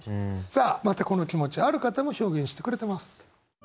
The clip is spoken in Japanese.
さあまたこの気持ちある方も表現してくれてます。